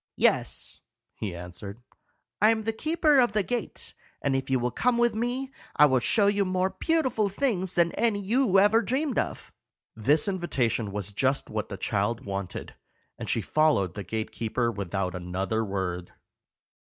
"Yes," he answered; "I am the keeper of the gate, and if you will come with me, I will show you more beautiful things than any you ever dreamed of." This invitation was just what the child wanted, and she followed the gate keeper without another word.